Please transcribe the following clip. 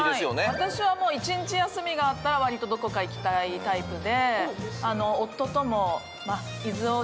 私は一日休みがあったら割とどこか行きたいタイプで。